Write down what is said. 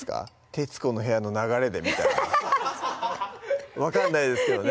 徹子の部屋の流れでみたいな（スタジ分かんないですけどね